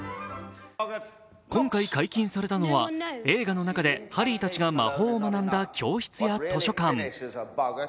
今回解禁されたのは、映画の中でハリーたちが魔法を学んだ教室や図書館。